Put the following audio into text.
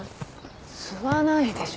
吸わないでしょ。